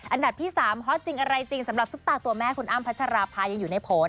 อันดับที่๓ฮอตจริงอะไรจริงสำหรับซุปตาตัวแม่คุณอ้ำพัชราภายังอยู่ในผล